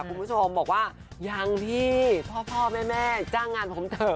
คุณผู้ชมบอกว่ายังพี่พ่อแม่จ้างงานผมเถอะ